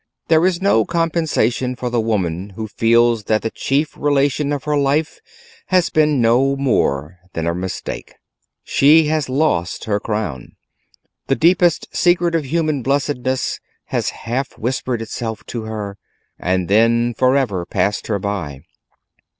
There is no compensation for the woman who feels that the chief relation of her life has been no more than a mistake. She has lost her crown. The deepest secret of human blessedness has half whispered itself to her, and then for ever passed her by.